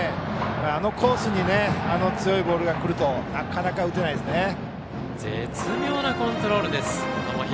あのコースにあの強いボールが来ると絶妙なコントロール、友廣。